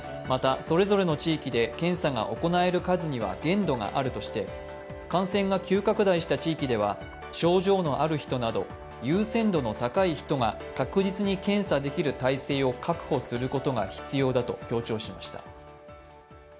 また、それぞれの地域で検査が行える数には限度があるとして感染が急拡大した地域では症状のある人など、優先度の高い人が確実に検査できる体制を確保することが必要だと強調しました。